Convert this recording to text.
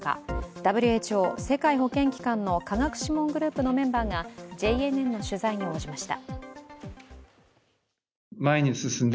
ＷＨＯ＝世界保健機関の科学諮問グループのメンバーがＪＮＮの取材に応じました。